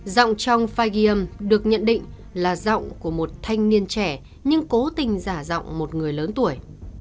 giọng trong file ghi âm được nhận định là giọng của một thanh niên trẻ nhưng cố tình giả giọng một người lớn tuổi